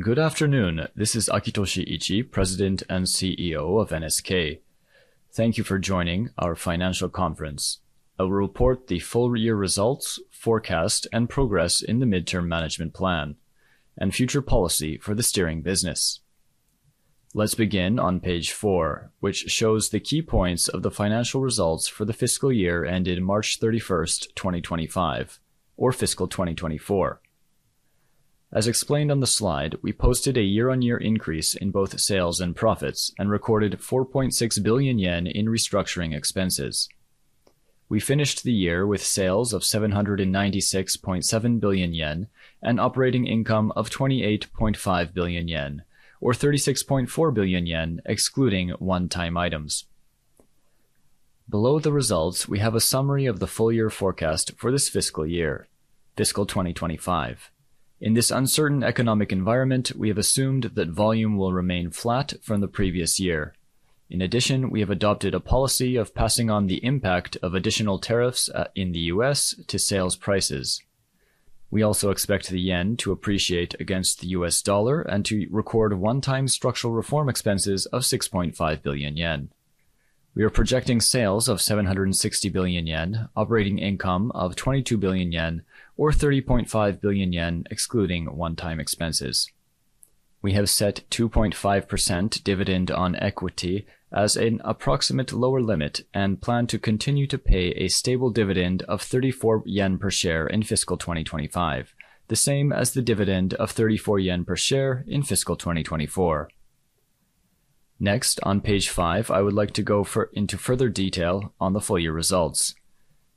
Good afternoon. This is Akitoshi Ichii, President and CEO of NSK. Thank you for joining our financial conference. I will report the full year results, forecast, and progress in the midterm management plan, and future policy for the steering business. Let's begin on page four, which shows the key points of the financial results for the fiscal year ended March 31st, 2025, or fiscal 2024. As explained on the slide, we posted a year-on-year increase in both sales and profits and recorded 4.6 billion yen in restructuring expenses. We finished the year with sales of 796.7 billion yen and operating income of 28.5 billion yen, or 36.4 billion yen excluding one-time items. Below the results, we have a summary of the full year forecast for this fiscal year, fiscal 2025. In this uncertain economic environment, we have assumed that volume will remain flat from the previous year. In addition, we have adopted a policy of passing on the impact of additional tariffs in the U.S. to sales prices. We also expect the yen to appreciate against the U.S. dollar and to record one-time structural reform expenses of 6.5 billion yen. We are projecting sales of 760 billion yen, operating income of 22 billion yen, or 30.5 billion yen excluding one-time expenses. We have set 2.5% dividend on equity as an approximate lower limit and plan to continue to pay a stable dividend of 34 yen per share in fiscal 2025, the same as the dividend of 34 yen per share in fiscal 2024. Next, on page five, I would like to go into further detail on the full year results.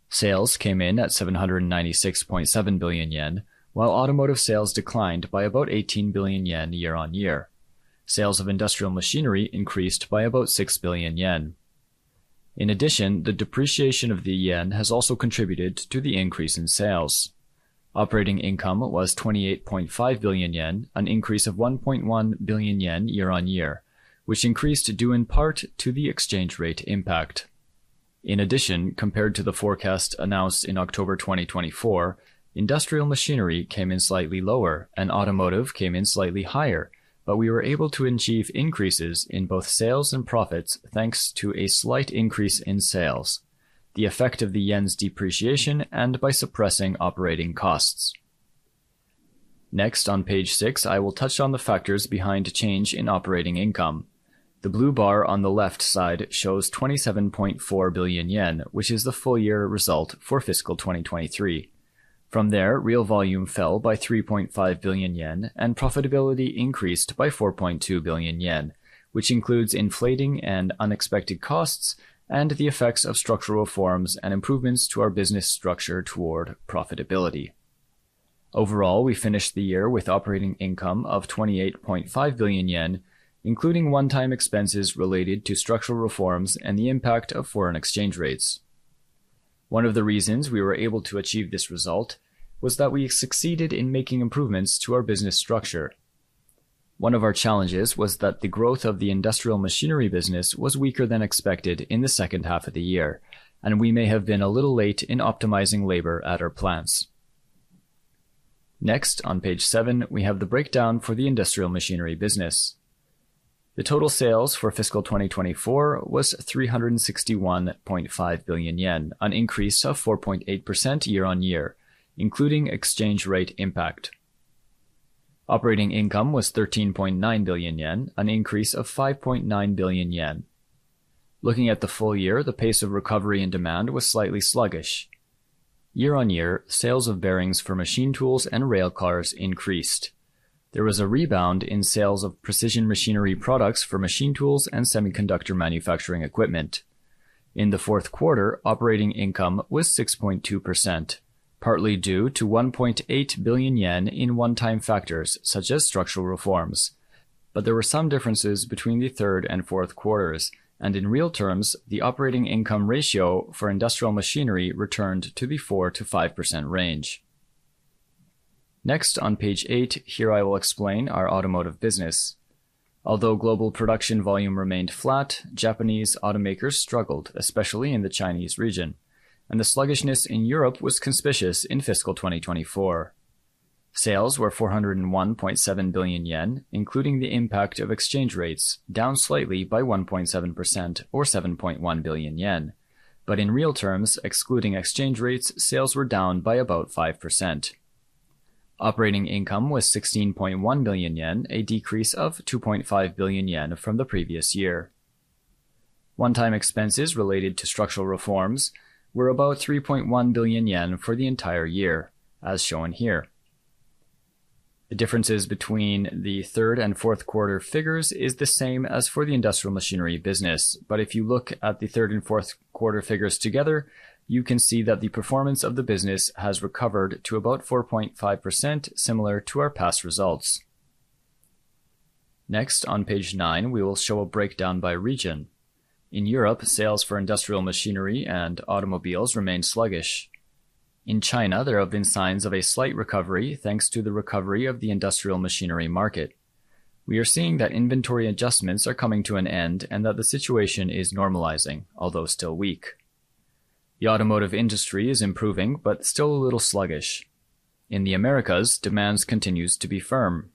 Sales came in at 796.7 billion yen, while automotive sales declined by about 18 billion yen year-on-year. Sales of industrial machinery increased by about 6 billion yen. In addition, the depreciation of the yen has also contributed to the increase in sales. Operating income was 28.5 billion yen, an increase of 1.1 billion yen year-on-year, which increased due in part to the exchange rate impact. In addition, compared to the forecast announced in October 2024, industrial machinery came in slightly lower and automotive came in slightly higher, but we were able to achieve increases in both sales and profits thanks to a slight increase in sales, the effect of the yen's depreciation and by suppressing operating costs. Next, on page six, I will touch on the factors behind change in operating income. The blue bar on the left side shows 27.4 billion yen, which is the full year result for fiscal 2023. From there, real volume fell by 3.5 billion yen and profitability increased by 4.2 billion yen, which includes inflating and unexpected costs and the effects of structural reforms and improvements to our business structure toward profitability. Overall, we finished the year with operating income of 28.5 billion yen, including one-time expenses related to structural reforms and the impact of foreign exchange rates. One of the reasons we were able to achieve this result was that we succeeded in making improvements to our business structure. One of our challenges was that the growth of the industrial machinery business was weaker than expected in the second half of the year, and we may have been a little late in optimizing labor at our plants. Next, on page seven, we have the breakdown for the industrial machinery business. The total sales for fiscal 2024 was 361.5 billion yen, an increase of 4.8% year-on-year, including exchange rate impact. Operating income was 13.9 billion yen, an increase of 5.9 billion yen. Looking at the full year, the pace of recovery and demand was slightly sluggish. Year-on-year, sales of bearings for machine tools and rail cars increased. There was a rebound in sales of precision machinery products for machine tools and semiconductor manufacturing equipment. In the fourth quarter, operating income was 6.2%, partly due to 1.8 billion yen in one-time factors such as structural reforms. There were some differences between the third and fourth quarters, and in real terms, the operating income ratio for industrial machinery returned to the 4%-5% range. Next, on page eight, here I will explain our automotive business. Although global production volume remained flat, Japanese automakers struggled, especially in the Chinese region, and the sluggishness in Europe was conspicuous in fiscal 2024. Sales were 401.7 billion yen, including the impact of exchange rates, down slightly by 1.7%, or 7.1 billion yen. In real terms, excluding exchange rates, sales were down by about 5%. Operating income was 16.1 billion yen, a decrease of 2.5 billion yen from the previous year. One-time expenses related to structural reforms were about 3.1 billion yen for the entire year, as shown here. The differences between the third and fourth quarter figures are the same as for the industrial machinery business. If you look at the third and fourth quarter figures together, you can see that the performance of the business has recovered to about 4.5%, similar to our past results. Next, on page nine, we will show a breakdown by region. In Europe, sales for industrial machinery and automobiles remain sluggish. In China, there have been signs of a slight recovery thanks to the recovery of the industrial machinery market. We are seeing that inventory adjustments are coming to an end and that the situation is normalizing, although still weak. The automotive industry is improving but still a little sluggish. In the Americas, demand continues to be firm.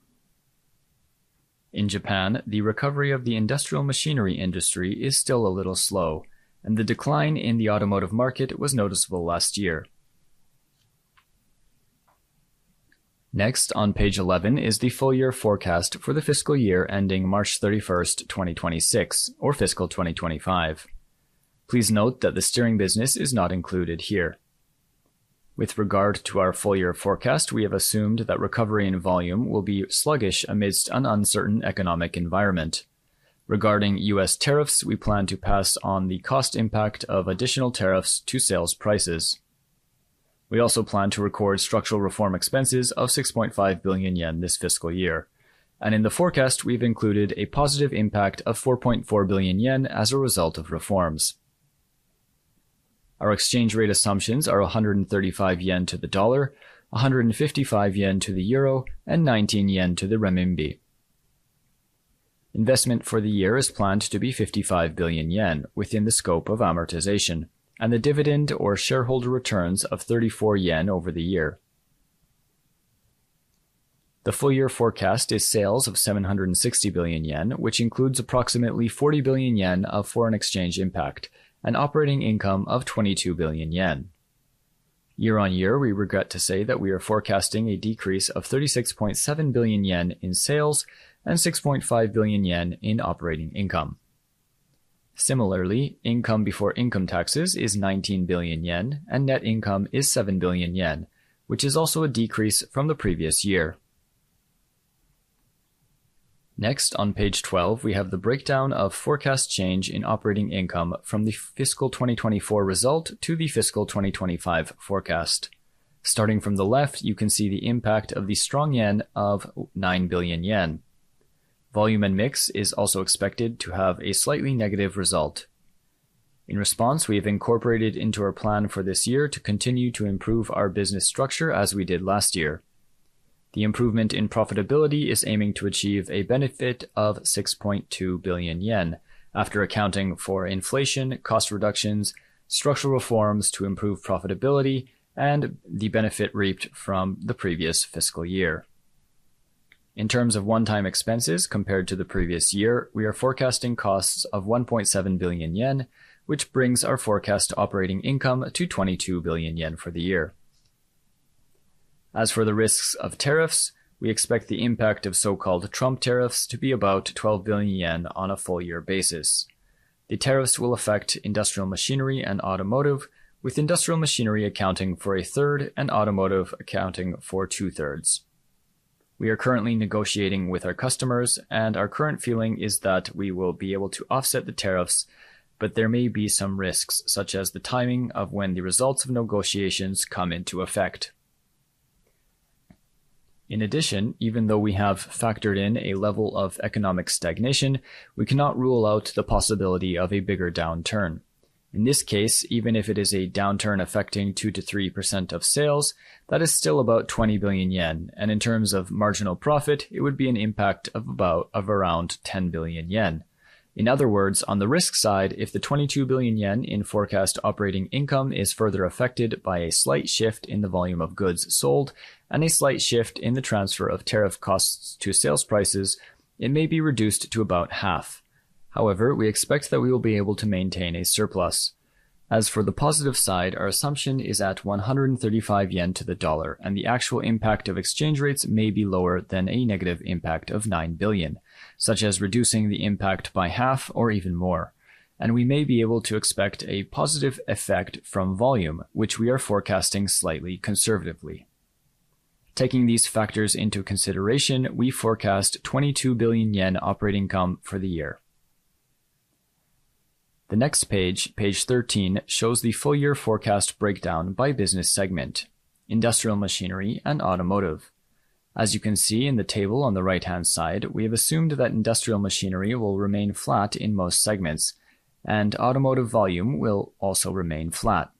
In Japan, the recovery of the industrial machinery industry is still a little slow, and the decline in the automotive market was noticeable last year. Next, on page 11 is the full year forecast for the fiscal year ending March 31st, 2026, or fiscal 2025. Please note that the steering business is not included here. With regard to our full year forecast, we have assumed that recovery and volume will be sluggish amidst an uncertain economic environment. Regarding U.S. Tariffs, we plan to pass on the cost impact of additional tariffs to sales prices. We also plan to record structural reform expenses of 6.5 billion yen this fiscal year, and in the forecast, we've included a positive impact of 4.4 billion yen as a result of reforms. Our exchange rate assumptions are 135 yen to the dollar, 155 yen to the euro, and 19 yen to the renminbi. Investment for the year is planned to be 55 billion yen within the scope of amortization and the dividend or shareholder returns of 34 yen over the year. The full year forecast is sales of 760 billion yen, which includes approximately 40 billion yen of foreign exchange impact and operating income of 22 billion yen. Year-on-year, we regret to say that we are forecasting a decrease of 36.7 billion yen in sales and 6.5 billion yen in operating income. Similarly, income before income taxes is 19 billion yen, and net income is 7 billion yen, which is also a decrease from the previous year. Next, on page 12, we have the breakdown of forecast change in operating income from the fiscal 2024 result to the fiscal 2025 forecast. Starting from the left, you can see the impact of the strong yen of 9 billion yen. Volume and mix is also expected to have a slightly negative result. In response, we have incorporated into our plan for this year to continue to improve our business structure as we did last year. The improvement in profitability is aiming to achieve a benefit of 6.2 billion yen after accounting for inflation, cost reductions, structural reforms to improve profitability, and the benefit reaped from the previous fiscal year. In terms of one-time expenses compared to the previous year, we are forecasting costs of 1.7 billion yen, which brings our forecast operating income to 22 billion yen for the year. As for the risks of tariffs, we expect the impact of so-called Trump tariffs to be about 12 billion yen on a full year basis. The tariffs will affect industrial machinery and automotive, with industrial machinery accounting for a 1/3 and automotive accounting for 2/3. We are currently negotiating with our customers, and our current feeling is that we will be able to offset the tariffs, but there may be some risks, such as the timing of when the results of negotiations come into effect. In addition, even though we have factored in a level of economic stagnation, we cannot rule out the possibility of a bigger downturn. In this case, even if it is a downturn affecting 2%-3% of sales, that is still about 20 billion yen, and in terms of marginal profit, it would be an impact of about around 10 billion yen. In other words, on the risk side, if the 22 billion yen in forecast operating income is further affected by a slight shift in the volume of goods sold and a slight shift in the transfer of tariff costs to sales prices, it may be reduced to about half. However, we expect that we will be able to maintain a surplus. As for the positive side, our assumption is at 135 yen to the dollar, and the actual impact of exchange rates may be lower than a negative impact of 9 billion, such as reducing the impact by half or even more, and we may be able to expect a positive effect from volume, which we are forecasting slightly conservatively. Taking these factors into consideration, we forecast 22 billion yen operating income for the year. The next page, page 13, shows the full year forecast breakdown by business segment: industrial machinery and automotive. As you can see in the table on the right-hand side, we have assumed that industrial machinery will remain flat in most segments, and automotive volume will also remain flat.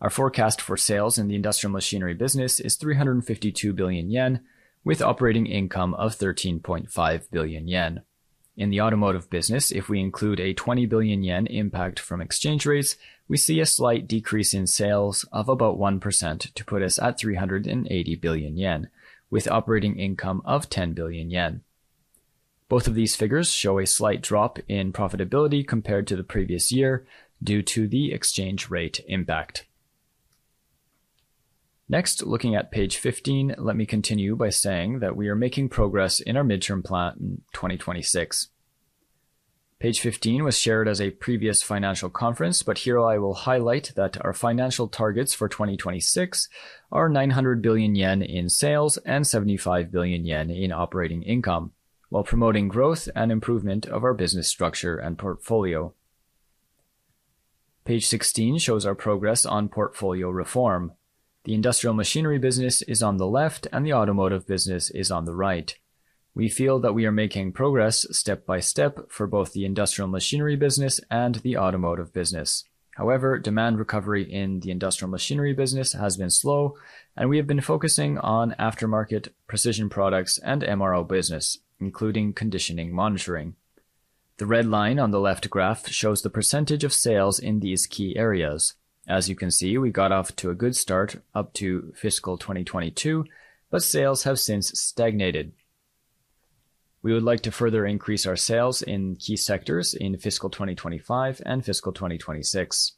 Our forecast for sales in the industrial machinery business is 352 billion yen, with operating income of 13.5 billion yen. In the automotive business, if we include a 20 billion yen impact from exchange rates, we see a slight decrease in sales of about 1% to put us at 380 billion yen, with operating income of 10 billion yen. Both of these figures show a slight drop in profitability compared to the previous year due to the exchange rate impact. Next, looking at page 15, let me continue by saying that we are making progress in our midterm management plan in 2026. Page 15 was shared at a previous financial conference, but here I will highlight that our financial targets for 2026 are 900 billion yen in sales and 75 billion yen in operating income while promoting growth and improvement of our business structure and portfolio. Page 16 shows our progress on portfolio reform. The industrial machinery business is on the left, and the automotive business is on the right. We feel that we are making progress step by step for both the industrial machinery business and the automotive business. However, demand recovery in the industrial machinery business has been slow, and we have been focusing on aftermarket precision products and MRO business, including condition monitoring. The red line on the left graph shows the percentage of sales in these key areas. As you can see, we got off to a good start up to fiscal 2022, but sales have since stagnated. We would like to further increase our sales in key sectors in fiscal 2025 and fiscal 2026.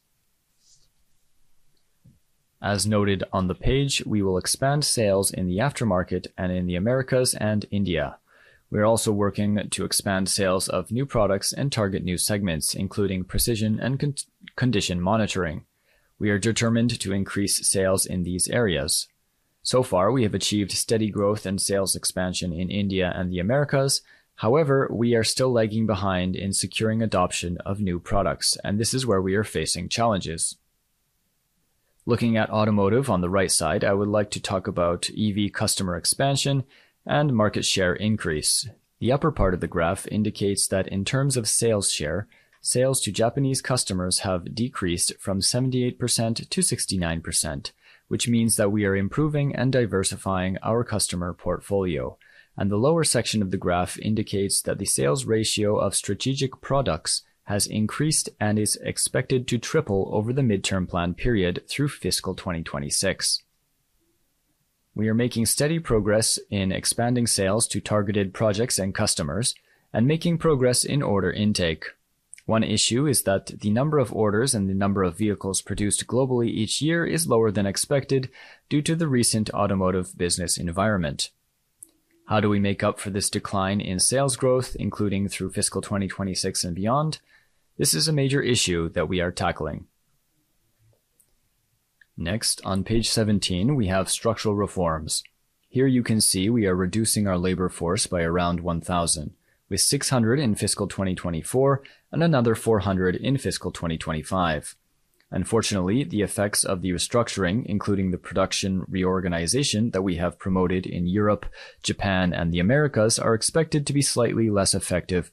As noted on the page, we will expand sales in the aftermarket and in the Americas and India. We are also working to expand sales of new products and target new segments, including precision and condition monitoring. We are determined to increase sales in these areas. So far, we have achieved steady growth and sales expansion in India and the Americas. However, we are still lagging behind in securing adoption of new products, and this is where we are facing challenges. Looking at automotive on the right side, I would like to talk about EV customer expansion and market share increase. The upper part of the graph indicates that in terms of sales share, sales to Japanese customers have decreased from 78% to 69%, which means that we are improving and diversifying our customer portfolio. The lower section of the graph indicates that the sales ratio of strategic products has increased and is expected to triple over the midterm management plan period through fiscal 2026. We are making steady progress in expanding sales to targeted projects and customers and making progress in order intake. One issue is that the number of orders and the number of vehicles produced globally each year is lower than expected due to the recent automotive business environment. How do we make up for this decline in sales growth, including through fiscal 2026 and beyond? This is a major issue that we are tackling. Next, on page 17, we have structural reforms. Here you can see we are reducing our labor force by around 1,000, with 600 in fiscal 2024 and another 400 in fiscal 2025. Unfortunately, the effects of the restructuring, including the production reorganization that we have promoted in Europe, Japan, and the Americas, are expected to be slightly less effective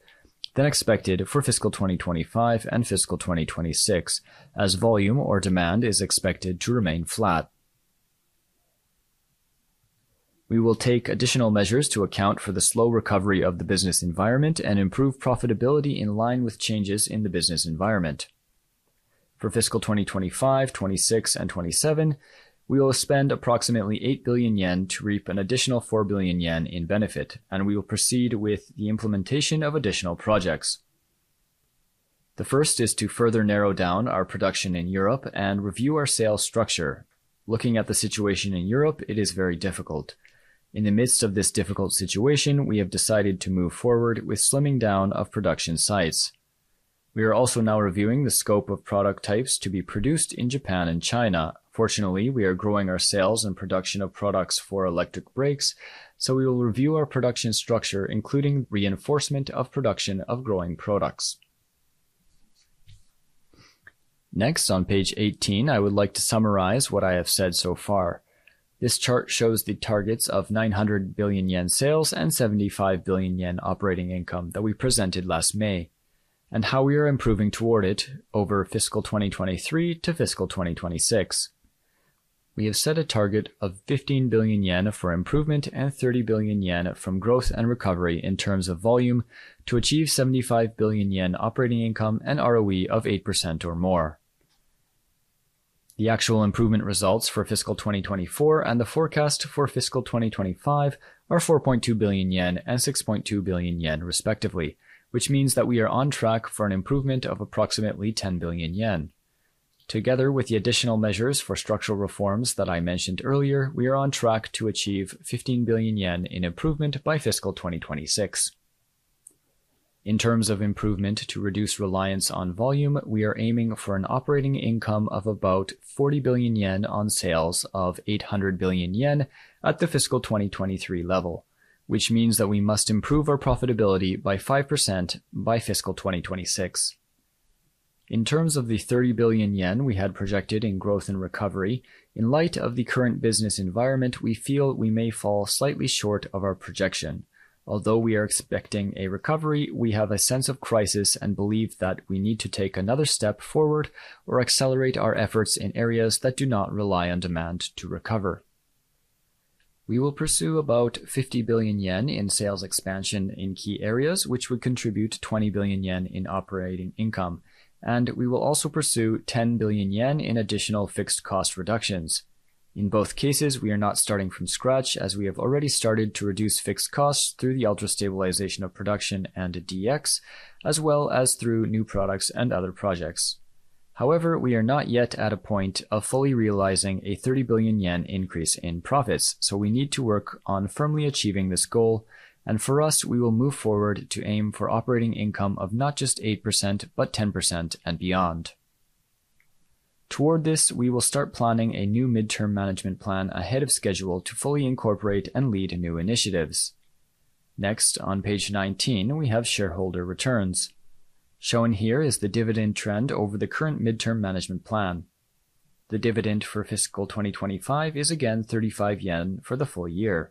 than expected for fiscal 2025 and fiscal 2026, as volume or demand is expected to remain flat. We will take additional measures to account for the slow recovery of the business environment and improve profitability in line with changes in the business environment. For fiscal 2025, 2026, and 2027, we will spend approximately 8 billion yen to reap an additional 4 billion yen in benefit, and we will proceed with the implementation of additional projects. The first is to further narrow down our production in Europe and review our sales structure. Looking at the situation in Europe, it is very difficult. In the midst of this difficult situation, we have decided to move forward with slimming down of production sites. We are also now reviewing the scope of product types to be produced in Japan and China. Fortunately, we are growing our sales and production of products for electric brakes, so we will review our production structure, including reinforcement of production of growing products. Next, on page 18, I would like to summarize what I have said so far. This chart shows the targets of 900 billion yen sales and 75 billion yen operating income that we presented last May and how we are improving toward it over fiscal 2023 to fiscal 2026. We have set a target of 15 billion yen for improvement and 30 billion yen from growth and recovery in terms of volume to achieve 75 billion yen operating income and ROE of 8% or more. The actual improvement results for fiscal 2024 and the forecast for fiscal 2025 are 4.2 billion yen and 6.2 billion yen, respectively, which means that we are on track for an improvement of approximately 10 billion yen. Together with the additional measures for structural reforms that I mentioned earlier, we are on track to achieve 15 billion yen in improvement by fiscal 2026. In terms of improvement to reduce reliance on volume, we are aiming for an operating income of about 40 billion yen on sales of 800 billion yen at the fiscal 2023 level, which means that we must improve our profitability by 5% by fiscal 2026. In terms of the 30 billion yen we had projected in growth and recovery, in light of the current business environment, we feel we may fall slightly short of our projection. Although we are expecting a recovery, we have a sense of crisis and believe that we need to take another step forward or accelerate our efforts in areas that do not rely on demand to recover. We will pursue about 50 billion yen in sales expansion in key areas, which would contribute 20 billion yen in operating income, and we will also pursue 10 billion yen in additional fixed cost reductions. In both cases, we are not starting from scratch, as we have already started to reduce fixed costs through the ultra stabilization of production and DX, as well as through new products and other projects. However, we are not yet at a point of fully realizing a 30 billion yen increase in profits, so we need to work on firmly achieving this goal, and for us, we will move forward to aim for operating income of not just 8%, but 10% and beyond. Toward this, we will start planning a new midterm management plan ahead of schedule to fully incorporate and lead new initiatives. Next, on page 19, we have shareholder returns. Shown here is the dividend trend over the current midterm management plan. The dividend for fiscal 2025 is again 35 yen for the full year.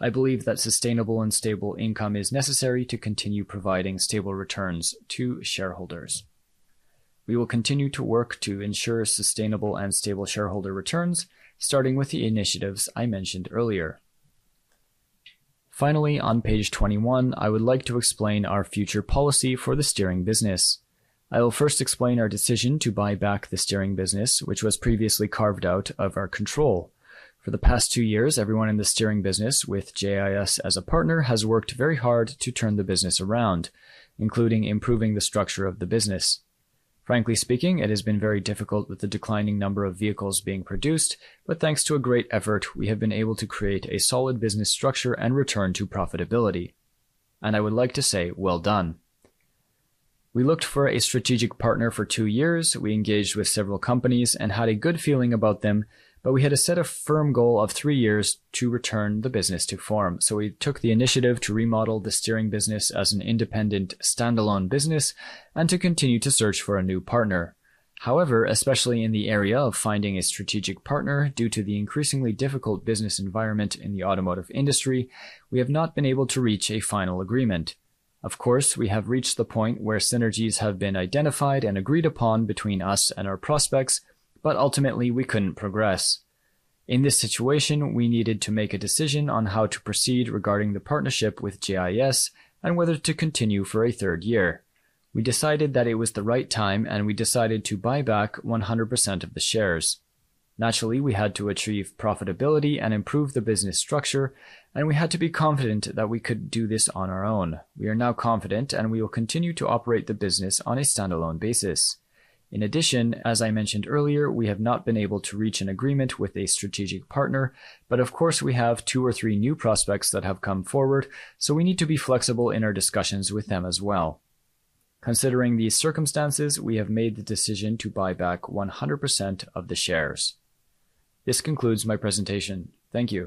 I believe that sustainable and stable income is necessary to continue providing stable returns to shareholders. We will continue to work to ensure sustainable and stable shareholder returns, starting with the initiatives I mentioned earlier. Finally, on page 21, I would like to explain our future policy for the steering business. I will first explain our decision to buy back the steering business, which was previously carved out of our control. For the past two years, everyone in the steering business with JIS as a partner has worked very hard to turn the business around, including improving the structure of the business. Frankly speaking, it has been very difficult with the declining number of vehicles being produced, but thanks to a great effort, we have been able to create a solid business structure and return to profitability. I would like to say, well done. We looked for a strategic partner for two years. We engaged with several companies and had a good feeling about them, but we had a set of firm goals of three years to return the business to form. We took the initiative to remodel the steering business as an independent standalone business and to continue to search for a new partner. However, especially in the area of finding a strategic partner, due to the increasingly difficult business environment in the automotive industry, we have not been able to reach a final agreement. Of course, we have reached the point where synergies have been identified and agreed upon between us and our prospects, but ultimately we could not progress. In this situation, we needed to make a decision on how to proceed regarding the partnership with JIS and whether to continue for a third year. We decided that it was the right time, and we decided to buy back 100% of the shares. Naturally, we had to achieve profitability and improve the business structure, and we had to be confident that we could do this on our own. We are now confident, and we will continue to operate the business on a standalone basis. In addition, as I mentioned earlier, we have not been able to reach an agreement with a strategic partner, but of course, we have two or three new prospects that have come forward, so we need to be flexible in our discussions with them as well. Considering these circumstances, we have made the decision to buy back 100% of the shares. This concludes my presentation. Thank you.